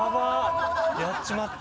やっちまった。